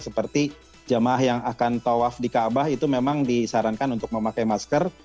seperti jamaah yang akan tawaf di kaabah itu memang disarankan untuk memakai masker